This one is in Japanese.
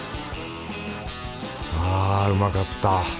あぁうまかった。